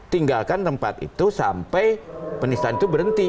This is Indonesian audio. tinggalkan tempat itu sampai penistaan itu berhenti